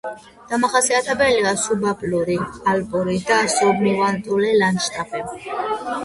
დამახასიათებელია სუბალპური, ალპური და სუბნივალური ლანდშაფტი.